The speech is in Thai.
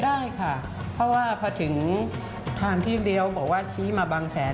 ได้ค่ะเพราะว่าพอถึงทางที่เลี้ยวบอกว่าชี้มาบางแสน